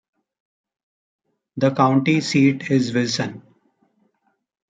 The county seat is Wilson.